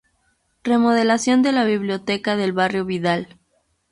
Remodelación de la Biblioteca del Barrio Vidal.